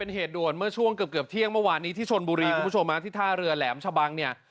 เหตุช่วงเกือบเที่ยงเมื่อวานที่ที่ชนบุรีที่ท่าเรือแหลมชะบังเนี่ย